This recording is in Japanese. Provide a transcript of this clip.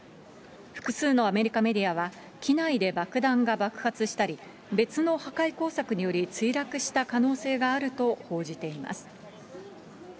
複数のアメリカメディアは、機内で爆弾が爆発したり、別の破壊工作により、墜落した可能性があると報じています。